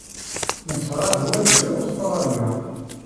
Nesɣa-d wa deg Ustṛalya.